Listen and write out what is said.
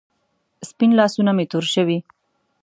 سپین لاسونه مې تور شوې